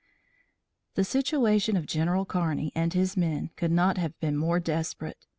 The situation of General Kearney and his men could not have been more desperate.